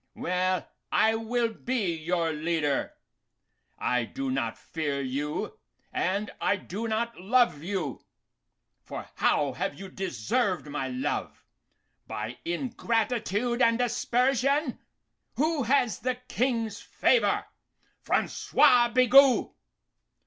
Well, I will be your leader. I do not fear you, and I do not love you, for how have you deserved my love? By ingratitude and aspersion? Who has the King's favour? Francois Bigot.